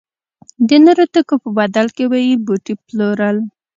د نورو توکو په بدل کې به یې بوټي پلورل.